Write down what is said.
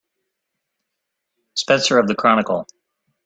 Spencer of the Chronicle.